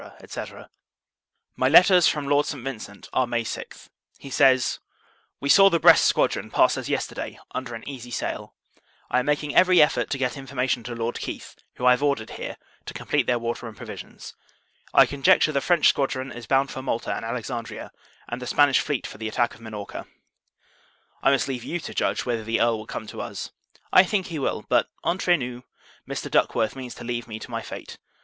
&c. My letters from Lord St. Vincent are May 6th. He says "We saw the Brest squadron pass us yesterday, under an easy sail. I am making every effort to get information to Lord Keith; who I have ordered here, to complete their water and provisions. I conjecture, the French squadron is bound for Malta and Alexandria, and the Spanish fleet for the attack of Minorca." I must leave you to judge, whether the Earl will come to us. I think he will: but, entre nous, Mr. Duckworth means to leave me to my fate.